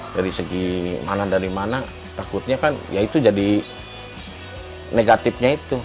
dari segi mana dari mana takutnya kan ya itu jadi negatifnya itu